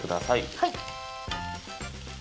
はい。